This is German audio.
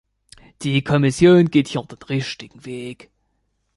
Die Kommission geht hier den richtigen Weg.